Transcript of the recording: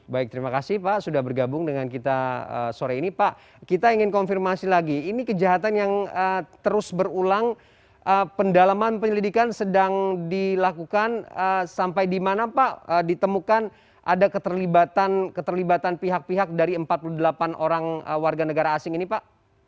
baik terima kasih pak sudah bergabung dengan kita sore ini pak kita ingin konfirmasi lagi ini kejahatan yang terus berulang pendalaman penyelidikan sedang dilakukan sampai di mana pak ditemukan ada keterlibatan pihak pihak dari empat puluh delapan orang warga negara asing ini pak